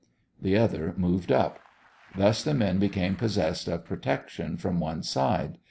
The other moved up. Thus the men became possessed of protection from one side.